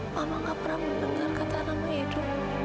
mama nggak pernah mendengar kata nama edo